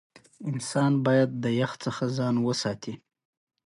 د کارایوس ځینې ډلې د ډي سلوس پر ضد سخت ودرېدل.